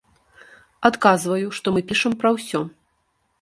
Адказваю, што мы пішам пра ўсё.